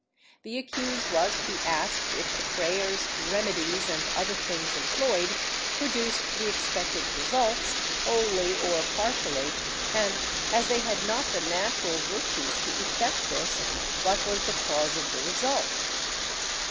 The accused was to be asked if the prayers, remedies and other things employed produced the expected results, wholly or partially, and as they had not the natural virtues to effect this, what was the cause of the result.